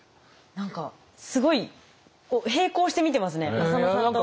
何かすごい並行して見てますね浅野さんと。